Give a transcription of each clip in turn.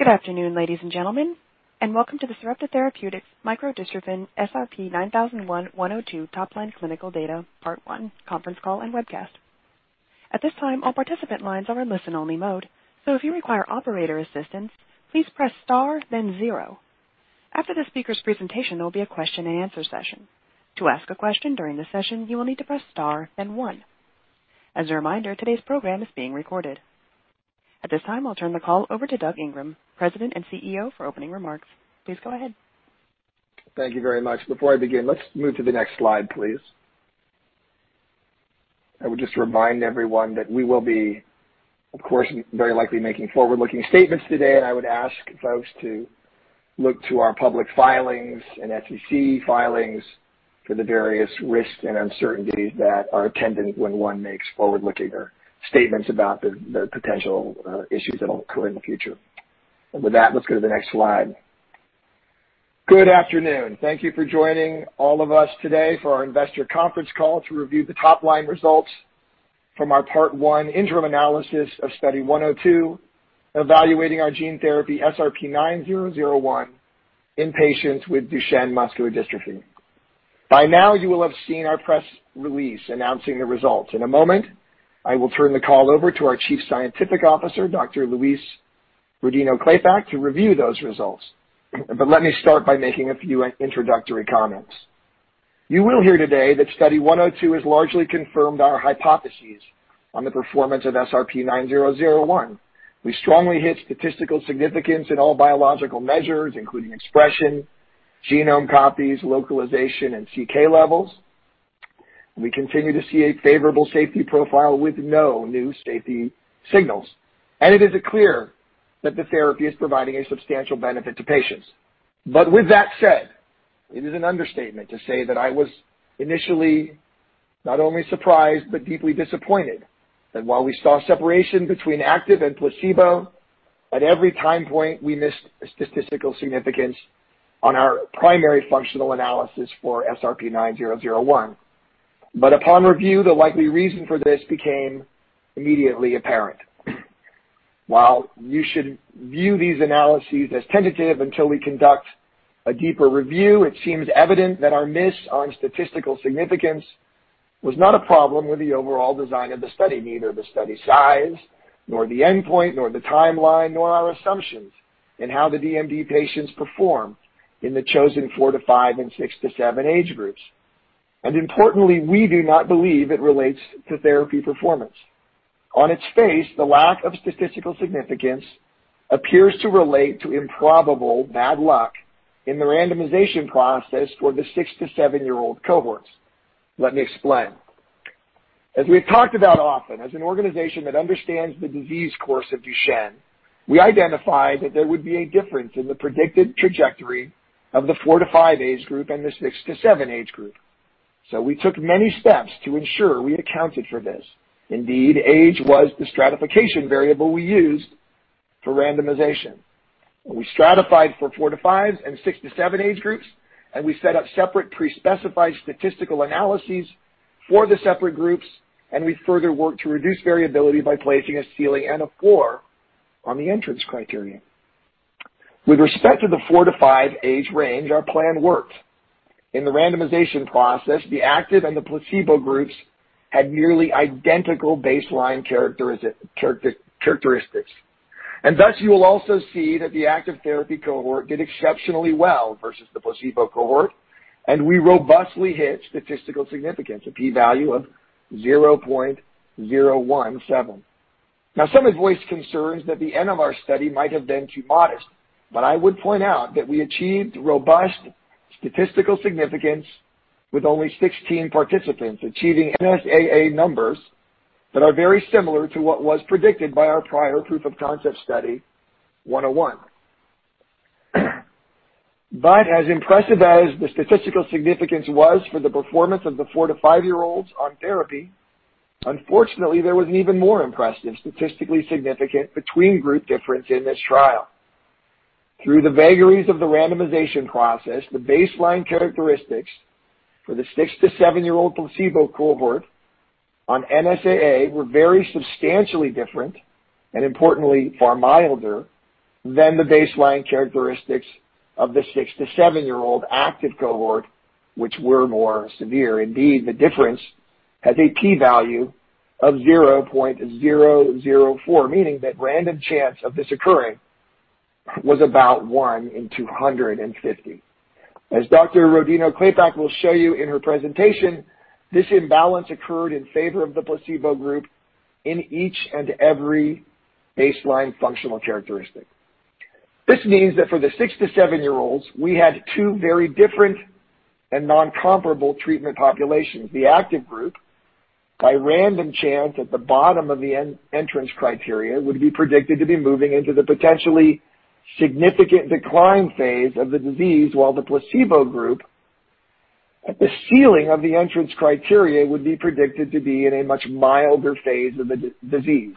Good afternoon, ladies and gentlemen, and welcome to the Sarepta Therapeutics microdystrophin SRP-9001/102 Top Line Clinical Data Part 1 conference call and webcast. At this time, I'll turn the call over to Doug Ingram, President and CEO, for opening remarks. Please go ahead. Thank you very much. Before I begin, let's move to the next slide, please. I would just remind everyone that we will be, of course, very likely making forward-looking statements today. I would ask folks to look to our public filings and SEC filings for the various risks and uncertainties that are attendant when one makes forward-looking statements about the potential issues that will occur in the future. With that, let's go to the next slide. Good afternoon. Thank you for joining all of us today for our investor conference call to review the top line results from our part one interim analysis of Study 102, evaluating our gene therapy SRP-9001 in patients with Duchenne muscular dystrophy. By now, you will have seen our press release announcing the results. In a moment, I will turn the call over to our Chief Scientific Officer, Dr. Louise Rodino-Klapac, to review those results. Let me start by making a few introductory comments. You will hear today that Study 102 has largely confirmed our hypotheses on the performance of SRP-9001. We strongly hit statistical significance in all biological measures, including expression, genome copies, localization, and CK levels. We continue to see a favorable safety profile with no new safety signals, and it is clear that the therapy is providing a substantial benefit to patients. With that said, it is an understatement to say that I was initially not only surprised but deeply disappointed that while we saw separation between active and placebo, at every time point, we missed statistical significance on our primary functional analysis for SRP-9001. Upon review, the likely reason for this became immediately apparent. While you should view these analyses as tentative until we conduct a deeper review, it seems evident that our miss on statistical significance was not a problem with the overall design of the study. Neither the study size, nor the endpoint, nor the timeline, nor our assumptions in how the DMD patients performed in the chosen four to five and six to seven age groups. Importantly, we do not believe it relates to therapy performance. On its face, the lack of statistical significance appears to relate to improbable bad luck in the randomization process for the six to seven-year-old cohorts. Let me explain. As we've talked about often, as an organization that understands the disease course of Duchenne, we identified that there would be a difference in the predicted trajectory of the four to five age group and the six to seven age group. We took many steps to ensure we accounted for this. Indeed, age was the stratification variable we used for randomization. We stratified for four to fives and six to seven age groups, and we set up separate pre-specified statistical analyses for the separate groups, and we further worked to reduce variability by placing a ceiling and a floor on the entrance criteria. With respect to the four to five age range, our plan worked. In the randomization process, the active and the placebo groups had nearly identical baseline characteristics. Thus, you will also see that the active therapy cohort did exceptionally well versus the placebo cohort, and we robustly hit statistical significance, a P value of 0.017. Some have voiced concerns that the end of our study might have been too modest, I would point out that we achieved robust statistical significance with only 16 participants achieving NSAA numbers that are very similar to what was predicted by our prior proof of concept Study 101. As impressive as the statistical significance was for the performance of the four to five-year-olds on therapy, unfortunately, there was an even more impressive statistically significant between group difference in this trial. Through the vagaries of the randomization process, the baseline characteristics for the six to seven-year-old placebo cohort on NSAA were very substantially different, and importantly, far milder than the baseline characteristics of the six to seven-year-old active cohort, which were more severe. Indeed, the difference has a P value of 0.004, meaning that random chance of this occurring was about 1/250. As Dr. Rodino-Klapac will show you in her presentation, this imbalance occurred in favor of the placebo group in each and every baseline functional characteristic. This means that for the six to seven-year-olds, we had two very different and non-comparable treatment populations. The active group, by random chance at the bottom of the entrance criteria, would be predicted to be moving into the potentially significant decline phase of the disease, while the placebo group, at the ceiling of the entrance criteria, would be predicted to be in a much milder phase of the disease.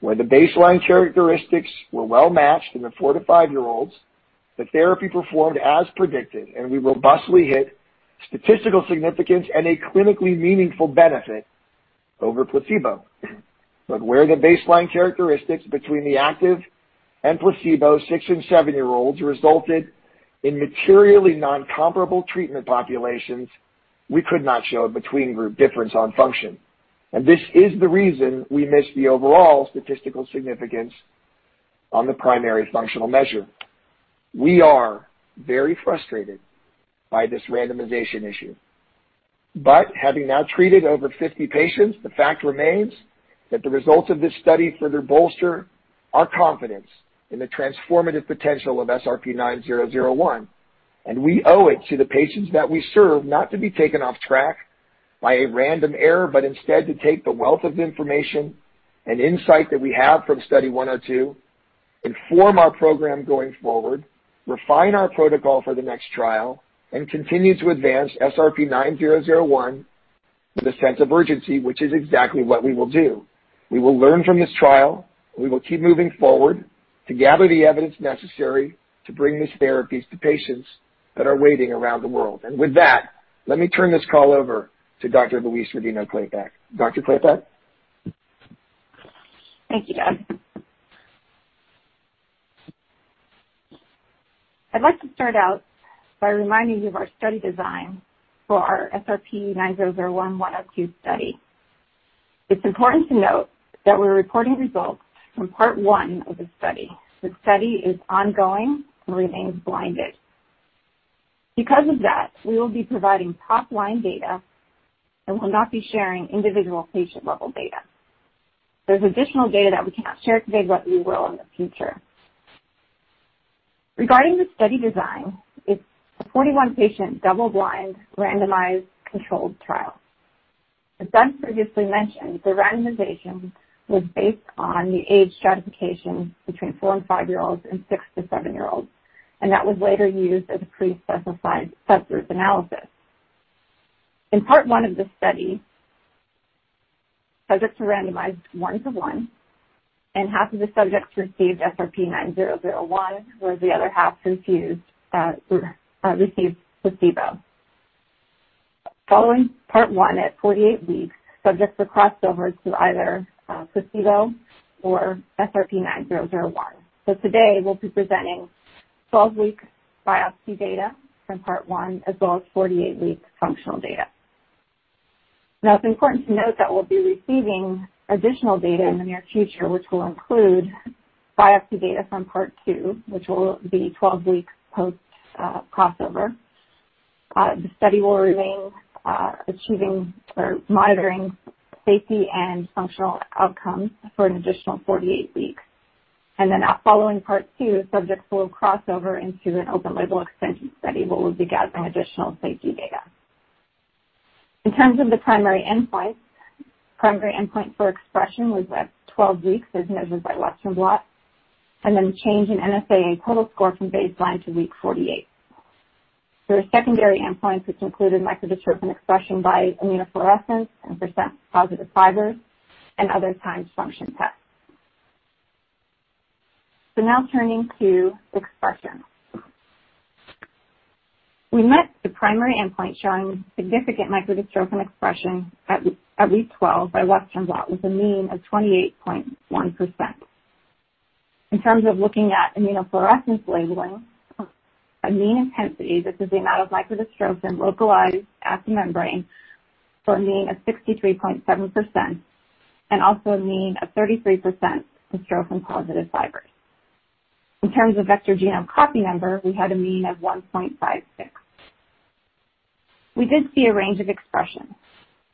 Where the baseline characteristics were well-matched in the four to five-year-olds, the therapy performed as predicted, and we robustly hit statistical significance and a clinically meaningful benefit over placebo. Where the baseline characteristics between the active and placebo six and seven-year-olds resulted in materially non-comparable treatment populations, we could not show a between-group difference on function. This is the reason we missed the overall statistical significance on the primary functional measure. We are very frustrated by this randomization issue. Having now treated over 50 patients, the fact remains that the results of this study further bolster our confidence in the transformative potential of SRP-9001, and we owe it to the patients that we serve not to be taken off track by a random error, but instead to take the wealth of information and insight that we have from Study 102, inform our program going forward, refine our protocol for the next trial, and continue to advance SRP-9001 with a sense of urgency, which is exactly what we will do. We will learn from this trial. We will keep moving forward to gather the evidence necessary to bring these therapies to patients that are waiting around the world. With that, let me turn this call over to Dr. Louise Rodino-Klapac. Dr. Klapac? Thank you, Doug. I'd like to start out by reminding you of our study design for our SRP-9001/102 Study. It's important to note that we're reporting results from Part 1 of the study. The study is ongoing and remains blinded. Because of that, we will be providing top-line data and will not be sharing individual patient-level data. There's additional data that we cannot share today, but we will in the future. Regarding the study design, it's a 41-patient, double-blind, randomized, controlled trial. As Doug previously mentioned, the randomization was based on the age stratification between four and five-year-olds and six to seven-year-olds, and that was later used as a pre-specified subgroup analysis. In Part 1 of the study, subjects were randomized 1:1, and half of the subjects received SRP-9001, whereas the other half received placebo. Following Part 1 at 48 weeks, subjects will cross over to either placebo or SRP-9001. Today, we'll be presenting 12-week biopsy data from Part 1, as well as 48-week functional data. Now, it's important to note that we'll be receiving additional data in the near future, which will include biopsy data from Part 2, which will be 12 weeks post crossover. The study will remain monitoring safety and functional outcomes for an additional 48 weeks. Following Part 2, subjects will cross over into an open-label extension study where we'll be gathering additional safety data. In terms of the primary endpoints, primary endpoint for expression was at 12 weeks, as measured by Western blot, and then change in NSAA total score from baseline to week 48. There are secondary endpoints, which included microdystrophin expression by immunofluorescence and percent positive fibers and other timed function tests. Now turning to expression. We met the primary endpoint showing significant microdystrophin expression at week 12 by Western blot with a mean of 28.1%. In terms of looking at immunofluorescence labeling, a mean intensity, this is the amount of microdystrophin localized at the membrane for a mean of 63.7% and also a mean of 33% dystrophin-positive fibers. In terms of vector genome copy number, we had a mean of 1.56. We did see a range of expression.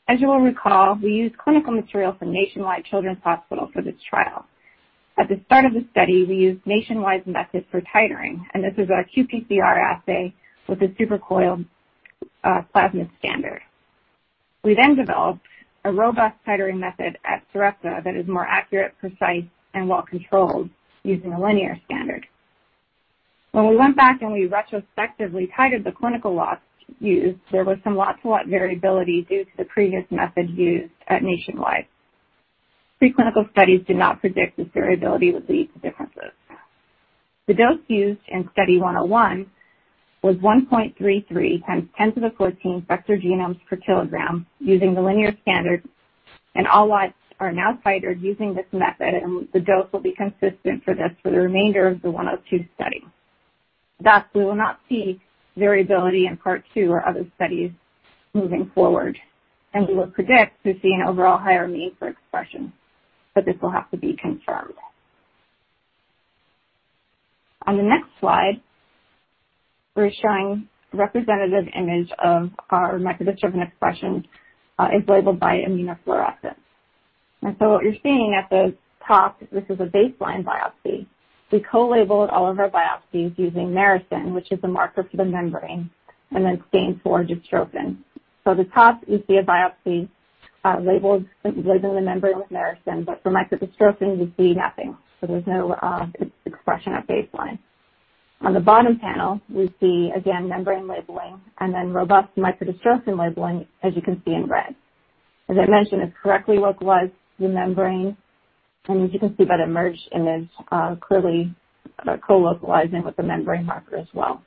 As you will recall, we used clinical material from Nationwide Children's Hospital for this trial. At the start of the study, we used Nationwide's method for titering, and this is our qPCR assay with a supercoil plasmid standard. We developed a robust titering method at Sarepta that is more accurate, precise, and well-controlled using a linear standard. When we went back and we retrospectively titered the clinical lots used, there was some lot-to-lot variability due to the previous method used at Nationwide. Preclinical studies did not predict this variability would lead to differences. The dose used in Study 101 was 1.33 × 10¹⁴ vg/kg using the linear standard, and all lots are now titered using this method, and the dose will be consistent for this for the remainder of the 102 Study. Thus, we will not see variability in part two or other studies moving forward, and we will predict to see an overall higher mean for expression, but this will have to be confirmed. On the next slide, we're showing representative image of our microdystrophin expression is labeled by immunofluorescence. What you're seeing at the top, this is a baseline biopsy. We co-labeled all of our biopsies using merosin, which is a marker for the membrane, and then stained for dystrophin. At the top you see a biopsy labeled the membrane with merosin, but for microdystrophin, we see nothing. There's no expression at baseline. On the bottom panel, we see, again, membrane labeling and then robust microdystrophin labeling, as you can see in red. As I mentioned, it's correctly localized to the membrane. As you can see, that merged image clearly co-localizing with the membrane marker as well.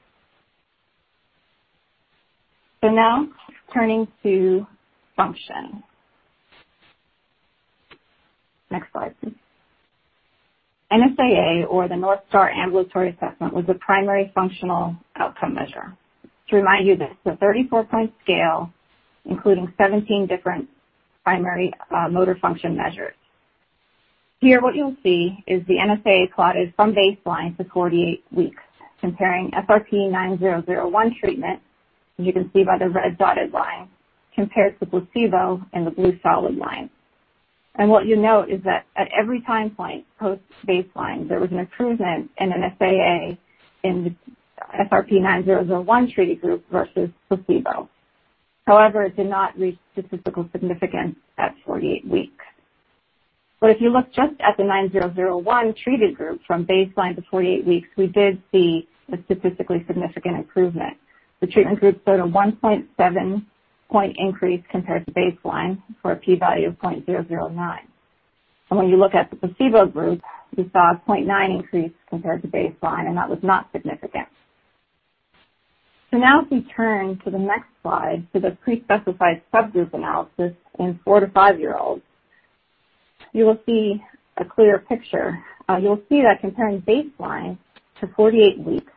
Now turning to function. Next slide, please. NSAA, or the North Star Ambulatory Assessment, was the primary functional outcome measure. To remind you, this is a 34-point scale including 17 different primary motor function measures. Here what you'll see is the NSAA plotted from baseline to 48 weeks comparing SRP-9001 treatment, as you can see by the red dotted line, compared to placebo in the blue solid line. What you'll note is that at every time point post baseline, there was an improvement in NSAA in the SRP-9001 treated group versus placebo. However, it did not reach statistical significance at 48 weeks. If you look just at the 9001 treated group from baseline to 48 weeks, we did see a statistically significant improvement. The treatment group showed a 1.7-point increase compared to baseline for a P value of 0.009. When you look at the placebo group, we saw a 0.9 increase compared to baseline, and that was not significant. Now if we turn to the next slide for the pre-specified subgroup analysis in four to five-year-olds, you will see a clearer picture. You'll see that comparing baseline to 48 weeks,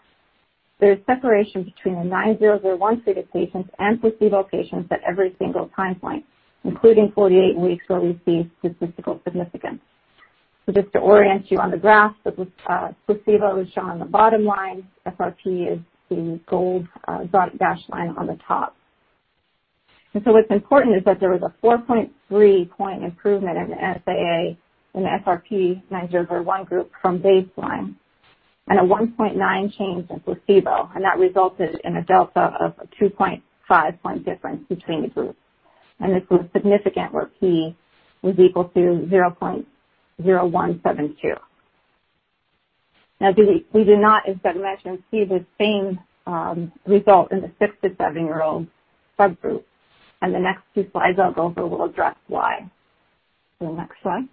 there's separation between the 9001 treated patients and placebo patients at every single time point, including 48 weeks where we see statistical significance. Just to orient you on the graph, the placebo is shown on the bottom line, SRP is the gold dash line on the top. What's important is that there was a 4.3-point improvement in NSAA in the SRP-9001 group from baseline and a 1.9 change in placebo, and that resulted in a delta of a 2.5-point difference between the groups. This was significant, where P=0.0172. We did not, as Doug mentioned, see the same result in the six to seven-year-old subgroup. The next two slides I'll go through will address why. Next slide.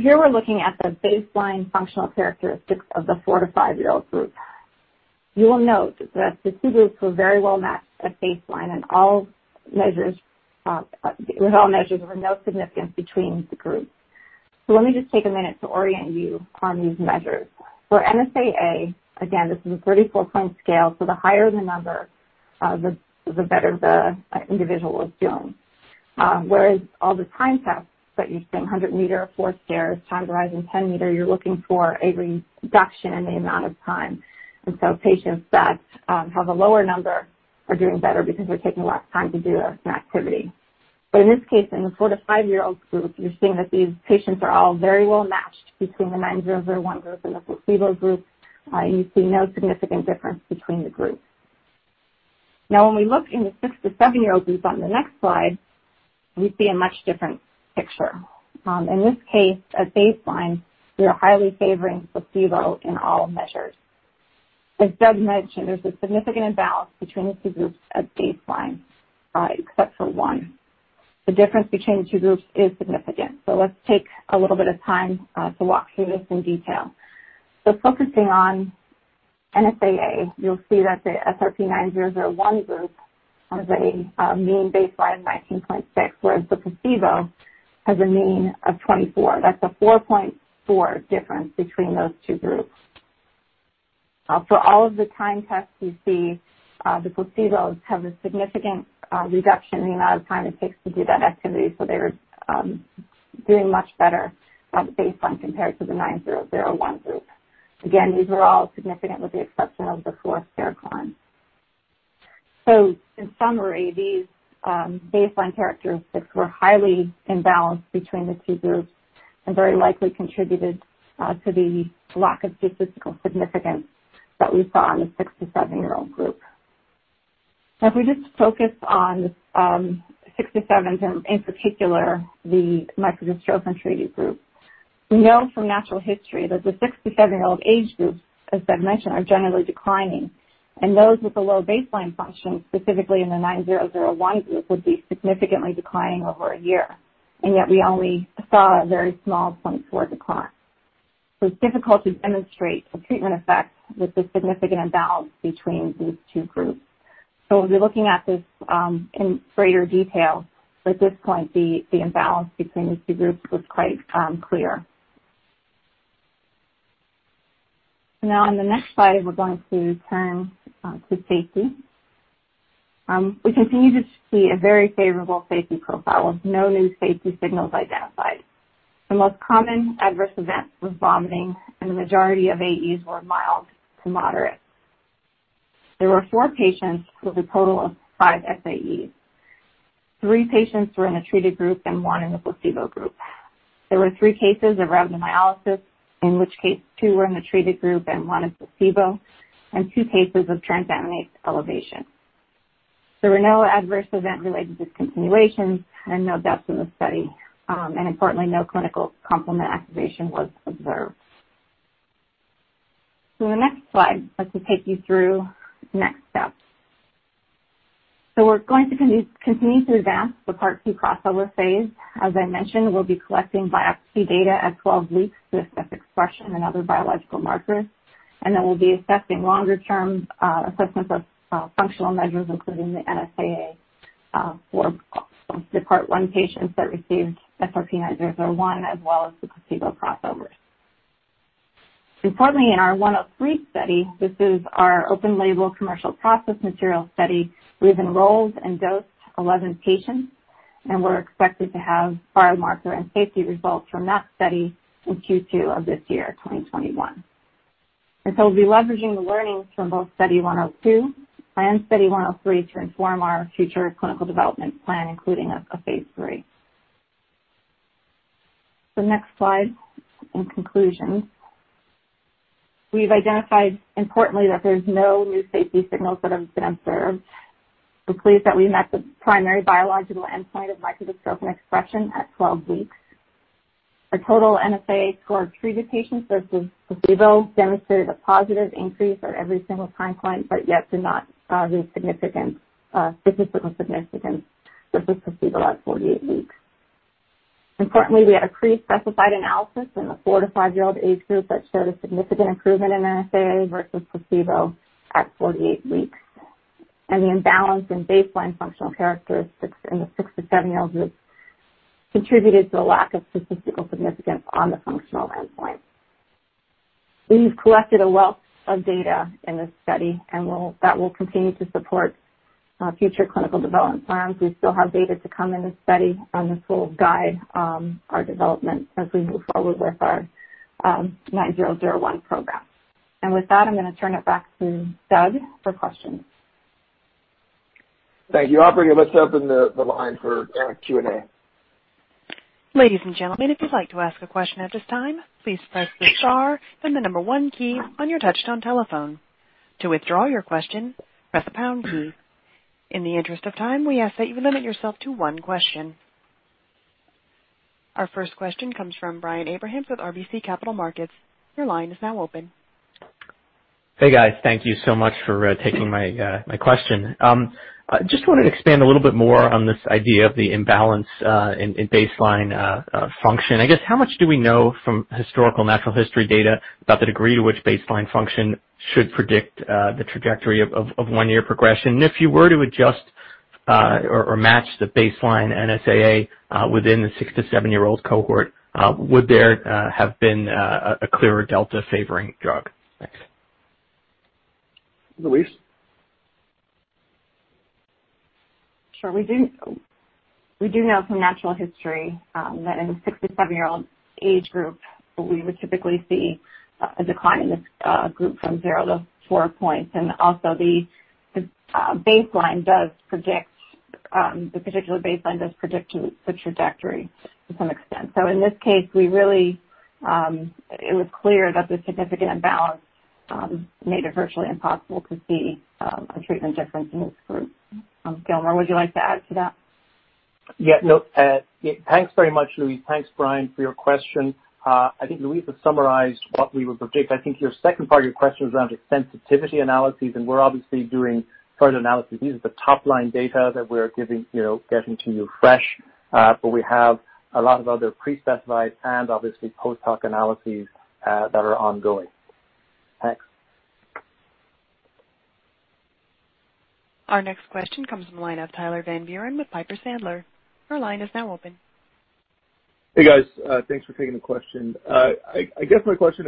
Here we're looking at the baseline functional characteristics of the four to five-year-old group. You will note that the two groups were very well matched at baseline and with all measures, there were no significance between the groups. Let me just take a minute to orient you on these measures. For NSAA, again, this is a 34-point scale, so the higher the number, the better the individual is doing. Whereas all the time tests that you're seeing, 100-m, four stairs, timed rise in 10-m, you're looking for a reduction in the amount of time. Patients that have a lower number are doing better because they're taking less time to do an activity. In this case, in the four to five-year-old group, you're seeing that these patients are all very well matched between the 9001 group and the placebo group. You see no significant difference between the groups. When we look in the six to seven-year-old group on the next slide, we see a much different picture. In this case, at baseline, we are highly favoring placebo in all measures. As Doug mentioned, there's a significant imbalance between the two groups at baseline except for one. The difference between the two groups is significant. Let's take a little bit of time to walk through this in detail. Focusing on NSAA, you'll see that the SRP-9001 group has a mean baseline of 19.6, whereas the placebo has a mean of 24. That's a 4.4 difference between those two groups. For all of the time tests, you see the placebos have a significant reduction in the amount of time it takes to do that activity. They're doing much better at baseline compared to the 9001 group. These are all significant with the exception of the four stair climb. In summary, these baseline characteristics were highly imbalanced between the two groups and very likely contributed to the lack of statistical significance that we saw in the six to seven-year-old group. If we just focus on six to seven, in particular, the microdystrophin treated group, we know from natural history that the six to seven-year-old age group, as Doug mentioned, are generally declining, and those with a low baseline function, specifically in the 9001 group, would be significantly declining over a year. Yet we only saw a very small 0.4 decline. It's difficult to demonstrate a treatment effect with the significant imbalance between these two groups. As we're looking at this in greater detail, at this point, the imbalance between these two groups was quite clear. Now on the next slide, we're going to turn to safety. We continue to see a very favorable safety profile with no new safety signals identified. The most common adverse event was vomiting, and the majority of AEs were mild to moderate. There were four patients with a total of five SAEs. Three patients were in the treated group and one in the placebo group. There were three cases of rhabdomyolysis, in which case two were in the treated group and one in placebo, and two cases of transaminase elevation. There were no adverse event-related discontinuations and no deaths in the study. Importantly, no clinical complement activation was observed. The next slide, I'd like to take you through next steps. We're going to continue to advance the Part 2 crossover phase. As I mentioned, we'll be collecting biopsy data at 12 weeks to assess expression and other biological markers. We'll be assessing longer-term assessments of functional measures, including the NSAA for the Part 1 patients that received SRP-9001, as well as the placebo crossovers. Importantly, in our 103 Study, this is our open-label commercial process material study, we've enrolled and dosed 11 patients, and we're expected to have biomarker and safety results from that study in Q2 of this year, 2021. We'll be leveraging the learnings from both Study 102 and Study 103 to inform our future clinical development plan, including a phase III. Next slide. In conclusion, we've identified, importantly, that there's no new safety signals that have been observed. We're pleased that we met the primary biological endpoint of microdystrophin expression at 12 weeks. Our total NSAA score treated patients versus placebo demonstrated a positive increase at every single time point, but yet did not reach statistical significance versus placebo at 48 weeks. Importantly, we had a pre-specified analysis in the four to five-year-old age group that showed a significant improvement in NSAA versus placebo at 48 weeks. The imbalance in baseline functional characteristics in the six to seven-year-olds group contributed to the lack of statistical significance on the functional endpoint. We've collected a wealth of data in this study, and that will continue to support future clinical development plans. We still have data to come in this study, and this will guide our development as we move forward with our 9001 program. With that, I'm going to turn it back to Doug for questions. Thank you, operator. Let's open the line for Q&A. Ladies and gentlemen, if you'd like to ask a question at this time, please press the star and the number one key on your touch-tone telephone. To withdraw your question, press the pound key. In the interest of time, we ask that you limit yourself to one question. Our first question comes from Brian Abrahams with RBC Capital Markets. Your line is now open. Hey, guys. Thank you so much for taking my question. Just wanted to expand a little bit more on this idea of the imbalance in baseline function. I guess, how much do we know from historical natural history data about the degree to which baseline function should predict the trajectory of one-year progression? If you were to adjust or match the baseline NSAA within the six to seven-year-old cohort, would there have been a clearer delta favoring drug? Thanks. Louise? Sure. We do know from natural history that in the six to seven-year-old age group, we would typically see a decline in this group from zero to four points, and also the particular baseline does predict the trajectory to some extent. In this case, it was clear that the significant imbalance made it virtually impossible to see a treatment difference in this group. Gilmore, would you like to add to that? Yeah. No. Thanks very much, Louise. Thanks, Brian, for your question. I think Louise has summarized what we would predict. I think your second part of your question was around sensitivity analyses, and we're obviously doing further analyses. These are the top-line data that we're getting to you fresh. We have a lot of other pre-specified and obviously post hoc analyses that are ongoing. Next. Our next question comes from the line of Tyler Van Buren with Piper Sandler. Your line is now open. Hey, guys. Thanks for taking the question. I guess my question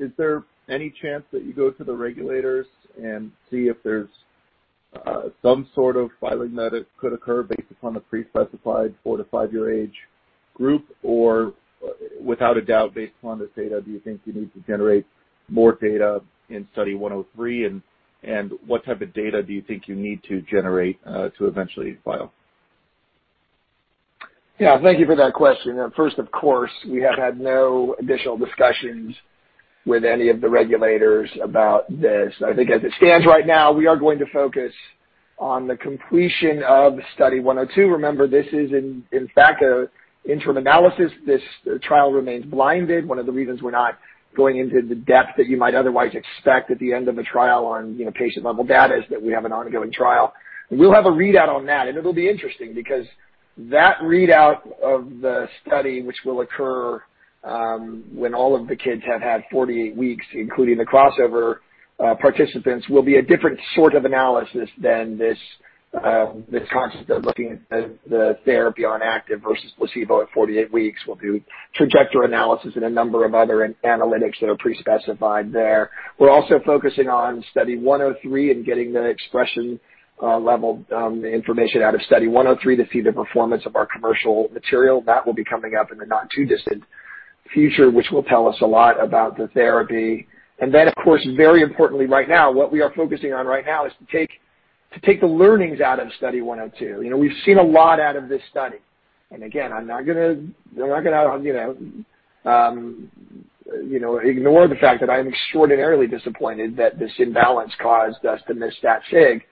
is there any chance that you go to the regulators and see if there's some sort of filing that could occur based upon the pre-specified four to five-year age group? Without a doubt, based upon this data, do you think you need to generate more data in Study 103, and what type of data do you think you need to generate to eventually file? Yeah. Thank you for that question. First, of course, we have had no additional discussions with any of the regulators about this. I think as it stands right now, we are going to focus on the completion of Study 102. Remember, this is in fact an interim analysis. This trial remains blinded. One of the reasons we're not going into the depth that you might otherwise expect at the end of a trial on patient-level data is that we have an ongoing trial. We'll have a readout on that, and it'll be interesting because that readout of the study, which will occur when all of the kids have had 48 weeks, including the crossover participants, will be a different sort of analysis than this concept of looking at the therapy on active versus placebo at 48 weeks. We'll do trajectory analysis and a number of other analytics that are pre-specified there. We're also focusing on Study 103 and getting the expression level information out of Study 103 to see the performance of our commercial material. That will be coming up in the not-too-distant future, which will tell us a lot about the therapy. Of course, very importantly right now, what we are focusing on right now is to take the learnings out of Study 102. We've seen a lot out of this study. Again, I'm not going to ignore the fact that I'm extraordinarily disappointed that this imbalance caused us to miss that sig.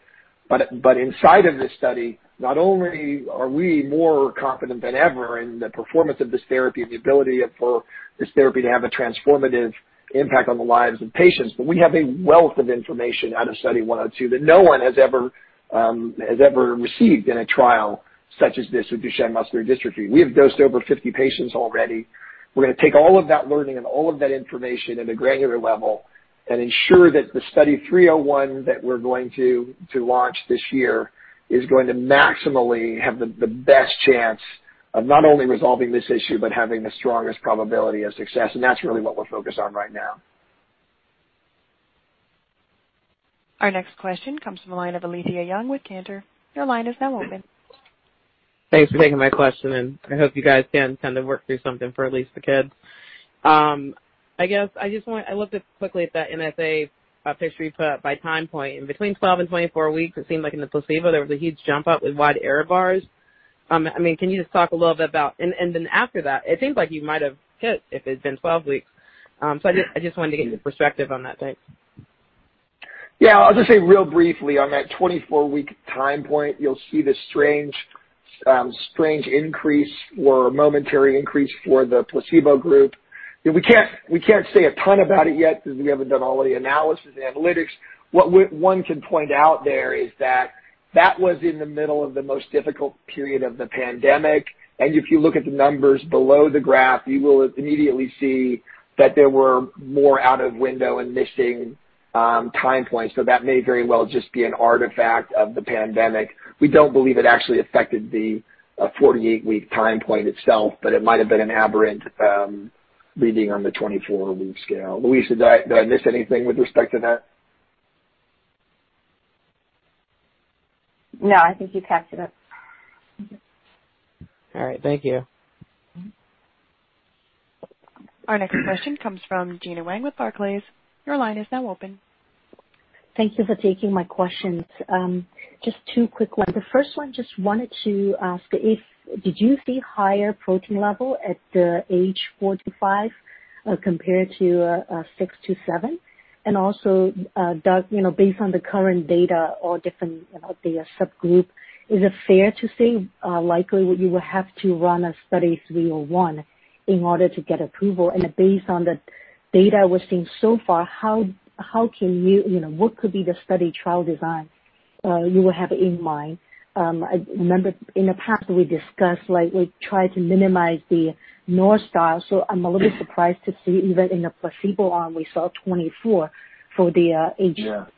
Inside of this study, not only are we more confident than ever in the performance of this therapy and the ability for this therapy to have a transformative impact on the lives of patients, but we have a wealth of information out of Study 102 that no one has ever received in a trial such as this with Duchenne muscular dystrophy. We have dosed over 50 patients already. We're going to take all of that learning and all of that information at a granular level and ensure that the Study 301 that we're going to launch this year is going to maximally have the best chance of not only resolving this issue, but having the strongest probability of success. That's really what we're focused on right now. Our next question comes from the line of Alethia Young with Cantor. Your line is now open. Thanks for taking my question. I hope you guys can work through something for at least the kids. I looked quickly at that NSAA picture you put up by time point. Between 12 and 24 weeks, it seemed like in the placebo, there was a huge jump up with wide error bars. After that, it seems like you might have hit if it had been 12 weeks. I just wanted to get your perspective on that, thanks. Yeah. I'll just say real briefly on that 24-week time point, you'll see this strange increase or momentary increase for the placebo group. We can't say a ton about it yet because we haven't done all the analysis and analytics. What one can point out there is that was in the middle of the most difficult period of the pandemic. If you look at the numbers below the graph, you will immediately see that there were more out-of-window and missing time points. That may very well just be an artifact of the pandemic. We don't believe it actually affected the 48-week time point itself, but it might have been an aberrant reading on the 24-week scale. Louise, did I miss anything with respect to that? No, I think you captured it. All right. Thank you. Our next question comes from Gena Wang with Barclays. Your line is now open. Thank you for taking my questions. Just two quick ones. The first one, just wanted to ask if did you see higher protein level at the age four to five, compared to six to seven? Also, Doug, based on the current data or different data subgroup, is it fair to say, likely you will have to run a Study 301 in order to get approval? Based on the data we're seeing so far, what could be the study trial design you will have in mind? I remember in the past we discussed, we tried to minimize the North Star. I'm a little bit surprised to see even in the placebo arm, we saw 24- Yeah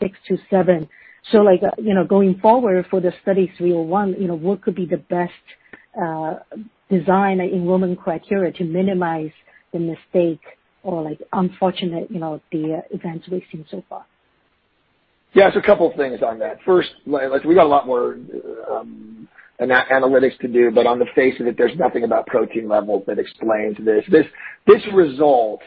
six to seven. Going forward for the Study 301, what could be the best design enrollment criteria to minimize the mistake or unfortunate the events we've seen so far? A couple of things on that. First, we got a lot more analytics to do, but on the face of it, there's nothing about protein levels that explains this. This result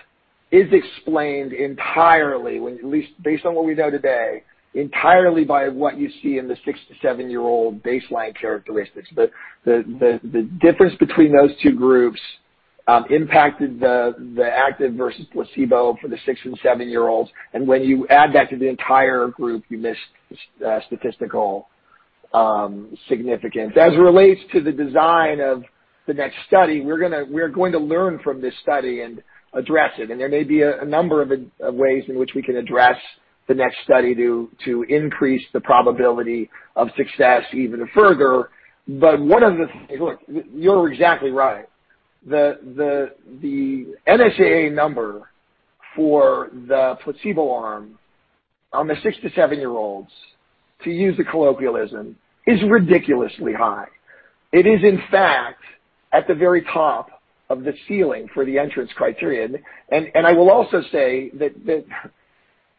is explained entirely, at least based on what we know today, entirely by what you see in the six to seven-year-old baseline characteristics. The difference between those two groups impacted the active versus placebo for the six and seven-year-olds. When you add that to the entire group, you miss statistical significance. As it relates to the design of the next study, we're going to learn from this study and address it. There may be a number of ways in which we can address the next study to increase the probability of success even further. One of the things. Look, you're exactly right. The NSAA number for the placebo arm on the six to seven-year-olds, to use the colloquialism, is ridiculously high. It is in fact, at the very top of the ceiling for the entrance criterion. I will also say that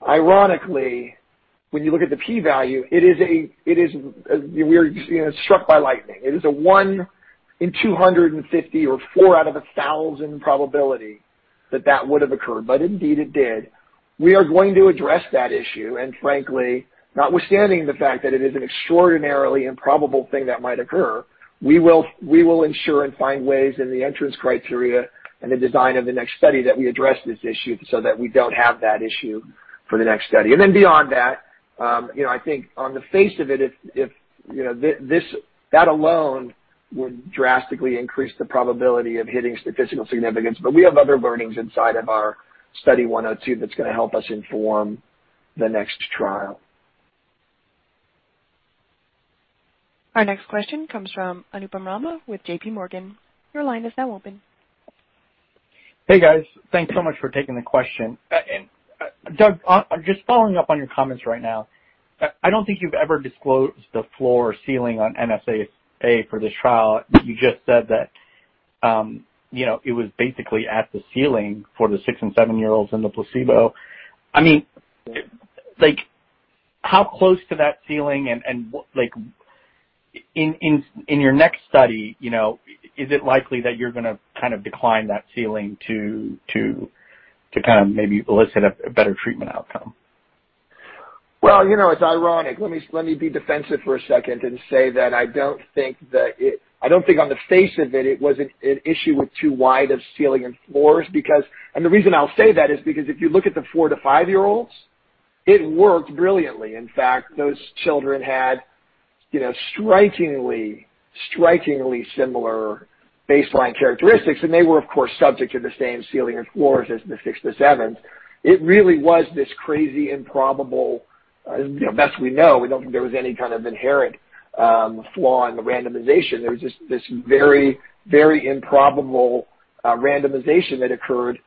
ironically, when you look at the P value, we're struck by lightning. It is a 1/250 or 4/1,000 probability that that would have occurred. Indeed, it did. We are going to address that issue, and frankly, notwithstanding the fact that it is an extraordinarily improbable thing that might occur, we will ensure and find ways in the entrance criteria and the design of the next study that we address this issue so that we don't have that issue for the next study. Beyond that, I think on the face of it, that alone would drastically increase the probability of hitting statistical significance. We have other learnings inside of our Study 102 that's going to help us inform the next trial. Our next question comes from Anupam Rama with JPMorgan. Your line is now open. Hey, guys. Thanks so much for taking the question. Doug, just following up on your comments right now. I don't think you've ever disclosed the floor or ceiling on NSAA for this trial. You just said that it was basically at the ceiling for the six and seven-year-olds in the placebo. How close to that ceiling and in your next study, is it likely that you're going to decline that ceiling to maybe elicit a better treatment outcome? Well, it's ironic. Let me be defensive for a second and say that I don't think on the face of it was an issue with too wide a ceiling and floors. The reason I'll say that is because if you look at the four to five-year-olds, it worked brilliantly. In fact, those children had strikingly similar baseline characteristics, and they were, of course, subject to the same ceiling and floors as the six to sevens. It really was this crazy, improbable, best we know, we don't think there was any kind of inherent flaw in the randomization. There was just this very improbable randomization that occurred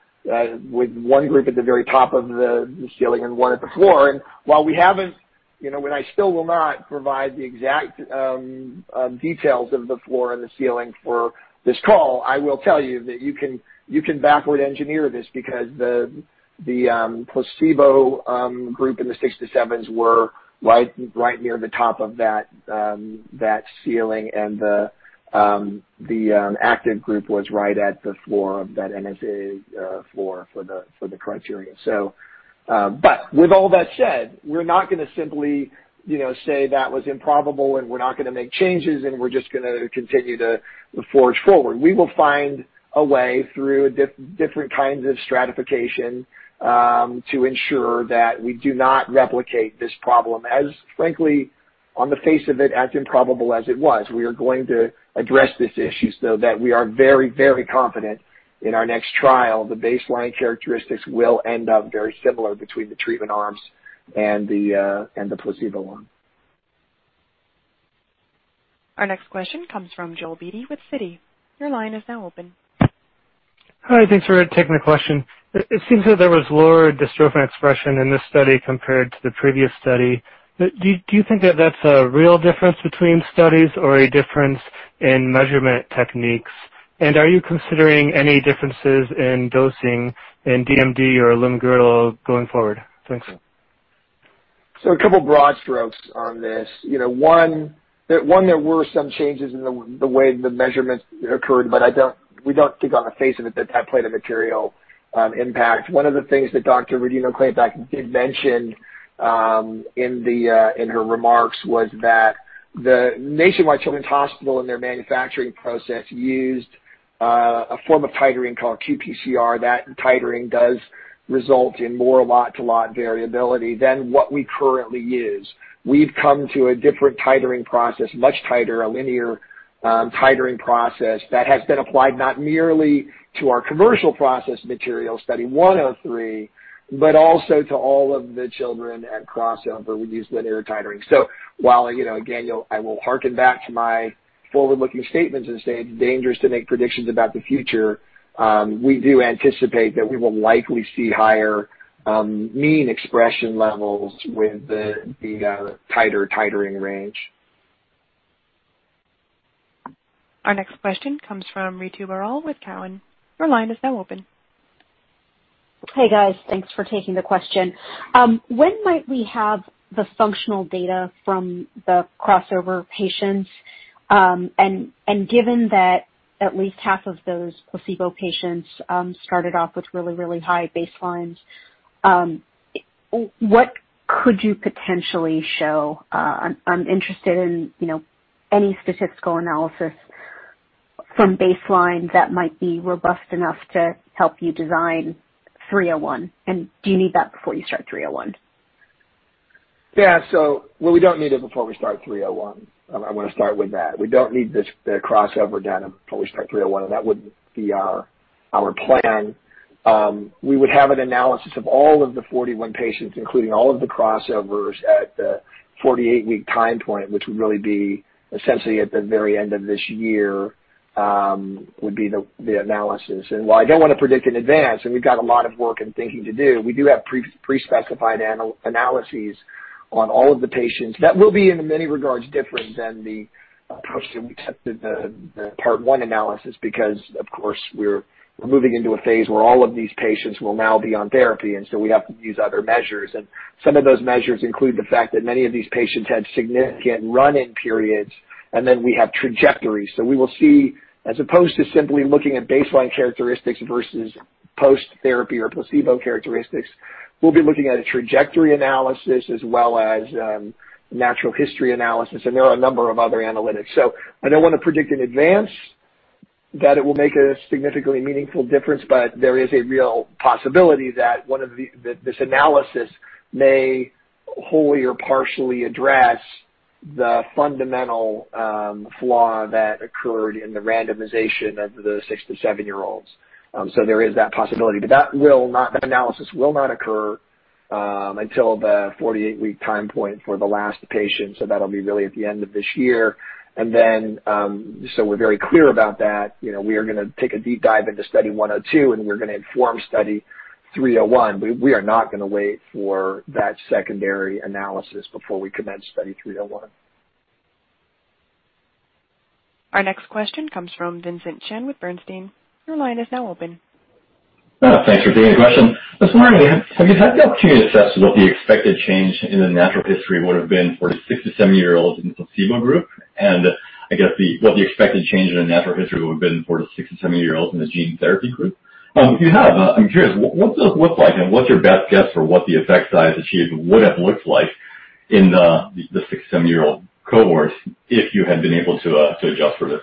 with one group at the very top of the ceiling and one at the floor. While we haven't, and I still will not provide the exact details of the floor and the ceiling for this call, I will tell you that you can backward engineer this because the placebo group in the six to sevens were right near the top of that ceiling. The active group was right at the floor of that NSAA floor for the criteria. With all that said, we're not going to simply say that was improbable, and we're not going to make changes, and we're just going to continue to forge forward. We will find a way through different kinds of stratification to ensure that we do not replicate this problem as frankly on the face of it, as improbable as it was. We are going to address these issues, though, that we are very, very confident in our next trial, the baseline characteristics will end up very similar between the treatment arms and the placebo arm. Our next question comes from Joel Beatty with Citi. Your line is now open. Hi, thanks for taking the question. It seems that there was lower dystrophin expression in this study compared to the previous study. Do you think that that's a real difference between studies or a difference in measurement techniques? Are you considering any differences in dosing in DMD or limb-girdle going forward? Thanks. A couple broad strokes on this. One, there were some changes in the way the measurements occurred, but we don't think on the face of it that played a material impact. One of the things that Dr. Rodino-Klapac did mention in her remarks was that the Nationwide Children's Hospital in their manufacturing process used a form of titering called qPCR. That titering does result in more lot-to-lot variability than what we currently use. We've come to a different titering process, much tighter, a linear titering process that has been applied not merely to our commercial process material, Study 103, but also to all of the children at crossover. We use linear titering. While, again, I will hearken back to my forward-looking statements and say it's dangerous to make predictions about the future, we do anticipate that we will likely see higher mean expression levels with the tighter titering range. Our next question comes from Ritu Baral with Cowen. Your line is now open. Hey, guys. Thanks for taking the question. When might we have the functional data from the crossover patients? Given that at least half of those placebo patients started off with really, really high baselines, what could you potentially show? I'm interested in any statistical analysis from baseline that might be robust enough to help you design 301. Do you need that before you start 301? Well, we don't need it before we start 301. I want to start with that. We don't need the crossover done before we start 301, and that wouldn't be our plan. We would have an analysis of all of the 41 patients, including all of the crossovers at the 48-week time point, which would really be essentially at the very end of this year, would be the analysis. While I don't want to predict in advance, and we've got a lot of work and thinking to do, we do have pre-specified analyses on all of the patients. That will be, in many regards, different than the approach that we took to the part one analysis because, of course, we're moving into a phase where all of these patients will now be on therapy, and so we have to use other measures. Some of those measures include the fact that many of these patients had significant run-in periods, and then we have trajectories. We will see, as opposed to simply looking at baseline characteristics versus post-therapy or placebo characteristics, we'll be looking at a trajectory analysis as well as natural history analysis, and there are a number of other analytics. I don't want to predict in advance that it will make a significantly meaningful difference, but there is a real possibility that this analysis may wholly or partially address the fundamental flaw that occurred in the randomization of the six to seven year olds. There is that possibility. That analysis will not occur until the 48-week time point for the last patient, so that'll be really at the end of this year. We're very clear about that. We are going to take a deep dive into Study 102. We're going to inform Study 301. We are not going to wait for that secondary analysis before we commence Study 301. Our next question comes from Vincent Chen with Bernstein. Your line is now open. Thanks for taking the question. I'm wondering, have you had the opportunity to assess what the expected change in the natural history would've been for the six to seven year olds in the placebo group? I guess, what the expected change in the natural history would've been for the six and seven year olds in the gene therapy group? If you have, I'm curious, what's it look like, and what's your best guess for what the effect size achieved would have looked like in the six to seven year old cohorts if you had been able to adjust for this?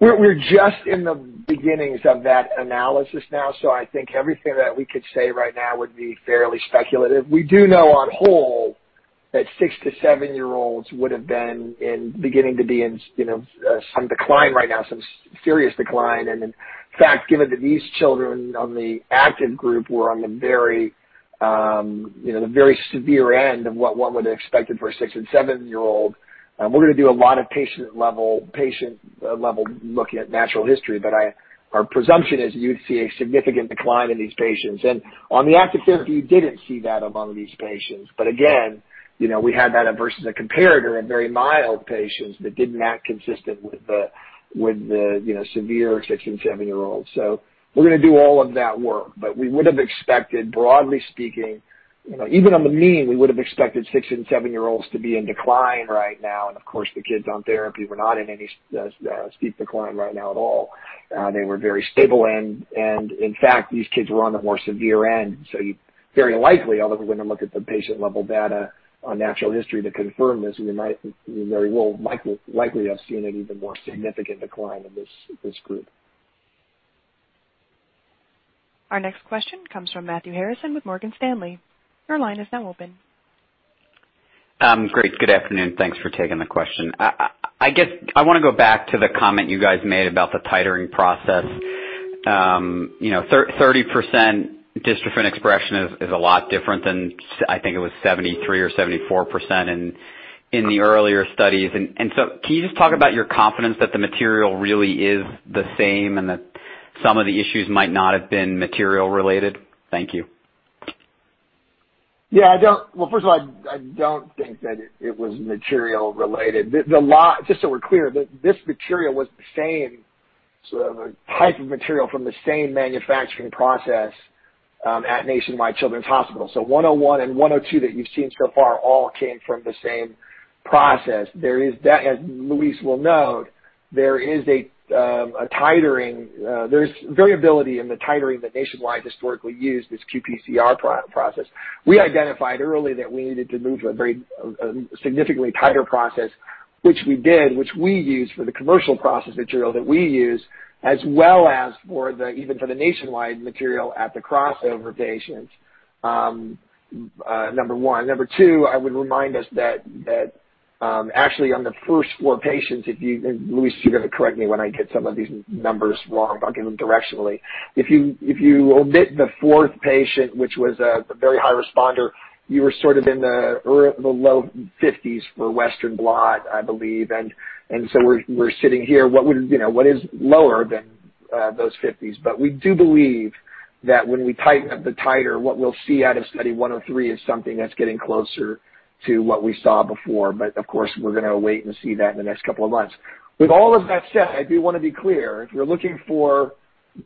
We're just in the beginnings of that analysis now, so I think everything that we could say right now would be fairly speculative. We do know on whole that six to seven-year-olds would have been beginning to be in some decline right now, some serious decline. In fact, given that these children on the active group were on the very severe end of what one would have expected for a six and seven-year-old, we're going to do a lot of patient-level looking at natural history. Our presumption is you'd see a significant decline in these patients. On the active therapy, you didn't see that among these patients. Again, we had that versus a comparator in very mild patients that didn't act consistent with the severe six and seven-year-olds. We're going to do all of that work. We would have expected, broadly speaking, even on the mean, we would have expected six and seven-year-olds to be in decline right now. Of course, the kids on therapy were not in any steep decline right now at all. They were very stable and, in fact, these kids were on the more severe end. Very likely, although we're going to look at the patient-level data on natural history to confirm this, we very likely have seen an even more significant decline in this group. Our next question comes from Matthew Harrison with Morgan Stanley. Your line is now open. Great. Good afternoon. Thanks for taking the question. I want to go back to the comment you guys made about the titering process. 30% dystrophin expression is a lot different than, I think it was 73% or 74% in the earlier studies. Can you just talk about your confidence that the material really is the same and that some of the issues might not have been material related? Thank you. Yeah. Well, first of all, I don't think that it was material related. Just so we're clear, this material was the same type of material from the same manufacturing process at Nationwide Children's Hospital. 101 and 102 that you've seen so far all came from the same process. As Louise will note, there's variability in the titering that Nationwide historically used, this qPCR process. We identified early that we needed to move to a very significantly tighter process, which we did, which we use for the commercial process material that we use, as well as even for the Nationwide material at the crossover patients, number one. Number two, I would remind us that, actually on the first four patients, and Louise, you're going to correct me when I get some of these numbers wrong, but I'll give them directionally. If you omit the fourth patient, which was a very high responder, you were sort of in the low 50%s for Western blot, I believe. We're sitting here, what is lower than those 50%s? We do believe that when we tighten up the titer, what we'll see out of Study 103 is something that's getting closer to what we saw before. Of course, we're going to wait and see that in the next couple of months. With all of that said, I do want to be clear, if you're looking for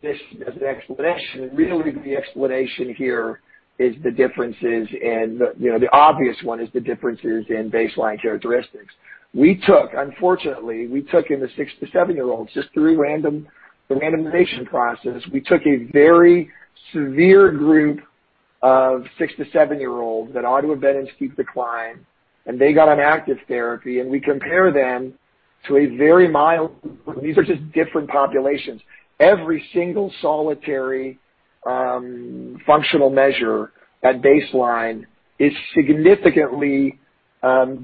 this as an explanation, really the explanation here is the differences in, the obvious one, is the differences in baseline characteristics. Unfortunately, we took in the six to seven-year-olds, just through randomization process, we took a very severe group of six to seven-year-olds that ought to have been in steep decline, and they got on active therapy, and we compare them to a very mild. These are just different populations. Every single solitary functional measure at baseline is significantly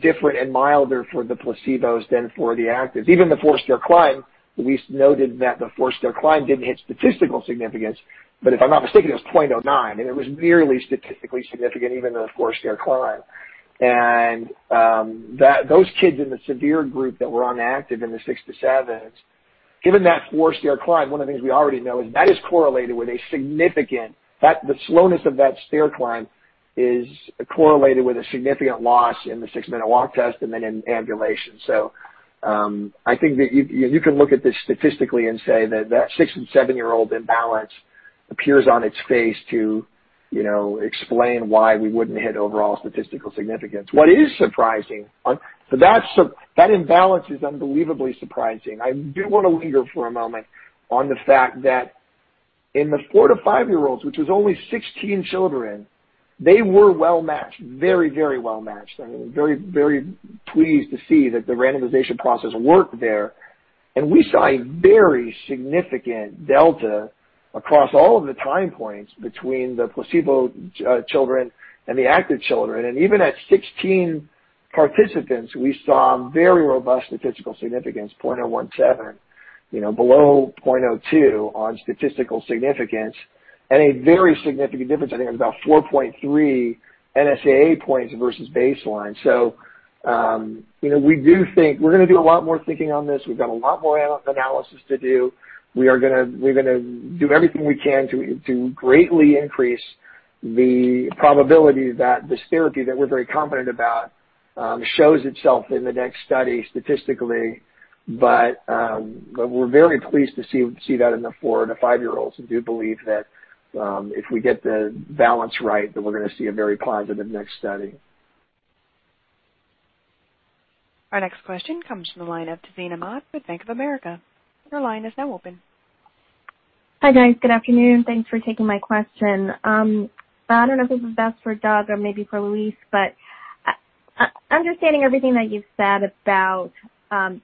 different and milder for the placebos than for the actives. Even the four stair climb, Louise noted that the four stair climb didn't hit statistical significance. If I'm not mistaken, it was 0.09, and it was nearly statistically significant, even in the four stair climb. Those kids in the severe group that were on active in the six to sevens, given that four stair climb, one of the things we already know is that the slowness of that stair climb is correlated with a significant loss in the six-minute walk test and then in ambulation. I think that you can look at this statistically and say that six and seven-year-old imbalance appears on its face to explain why we wouldn't hit overall statistical significance. That imbalance is unbelievably surprising. I do want to linger for a moment on the fact that in the four to five-year-olds, which was only 16 children, they were well-matched, very well-matched. I mean, very pleased to see that the randomization process worked there. We saw a very significant delta across all of the time points between the placebo children and the active children. Even at 16 participants, we saw very robust statistical significance, 0.017, below 0.02 on statistical significance and a very significant difference. I think it was about 4.3 NSAA points versus baseline. We're going to do a lot more thinking on this. We've got a lot more analysis to do. We're going to do everything we can to greatly increase the probability that this therapy that we're very confident about shows itself in the next study statistically. We're very pleased to see that in the four to five-year-olds and do believe that if we get the balance right, that we're going to see a very positive next study. Our next question comes from the line of Tazeen Ahmad with Bank of America. Your line is now open. Hi, guys. Good afternoon. Thanks for taking my question. I don't know if this is best for Doug or maybe for Louise, understanding everything that you've said about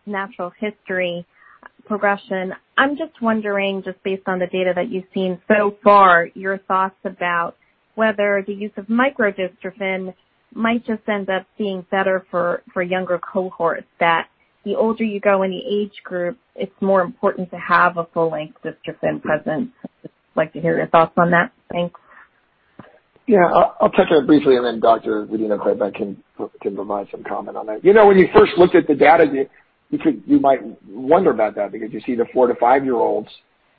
natural history progression, I'm just wondering, just based on the data that you've seen so far, your thoughts about whether the use of microdystrophin might just end up being better for younger cohorts, that the older you go in the age group, it's more important to have a full-length dystrophin presence. I'd like to hear your thoughts on that. Thanks. Yeah, I'll touch on it briefly, and then Dr. Rodino-Klapac can provide some comment on that. When you first looked at the data, you might wonder about that because you see the four to five-year-olds